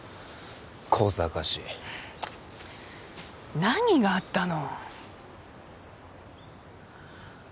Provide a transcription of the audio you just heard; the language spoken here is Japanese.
こざかしい何があったの？